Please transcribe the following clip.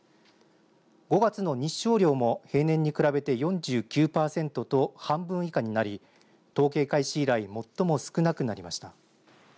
５月の日照量も平年に比べて４９パーセントと半分以下になり統計開始以来最も少なくなりました。